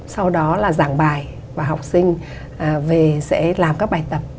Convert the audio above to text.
sau đó là giảng bài và học sinh về sẽ làm các bài tập